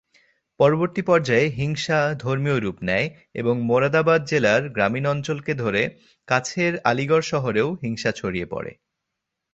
পরবর্তী পর্যায়ে হিংসা ধর্মীয় রূপ নেয় এবং মোরাদাবাদ জেলার গ্রামীণ অঞ্চলকে ধরে কাছের আলিগড় শহরেও হিংসা ছড়িয়ে পড়ে।